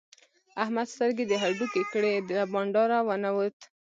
احمد سترګې د هډوکې کړې؛ له بانډاره و نه وت.